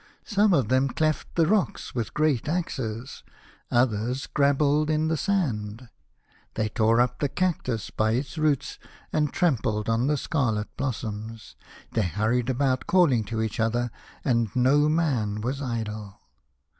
Some of them cleft the rocks with great axes ; others grabbled in the sand. They tore up the cactus by its roots, and trampled on the scarlet blossoms. They hurried about, calling to each other, and no man was idle.